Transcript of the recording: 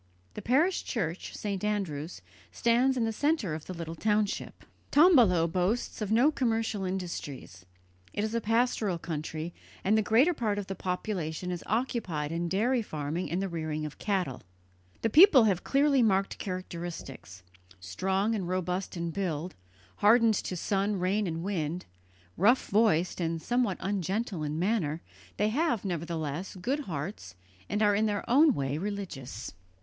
The parish church, St. Andrew's, stands in the centre of the little township. Tombolo boasts of no commercial industries; it is a pastoral country, and the greater part of the population is occupied in dairy farming and the rearing of cattle. The people have clearly marked characteristics; strong and robust in build, hardened to sun, rain, and wind, rough voiced and somewhat ungentle in manner, they have, nevertheless, good hearts and are in their own way religious.